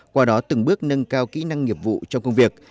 qua đó từng bước nâng cao kỹ năng nghiệp vụ trong công việc